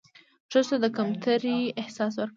ښځو ته د کمترۍ احساس ورکړى